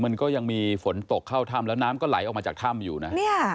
มันก็ยังมีฝนตกเข้าถ้ำแล้วน้ำก็ไหลออกมาจากถ้ำอยู่นะ